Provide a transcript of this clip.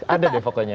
ada deh pokoknya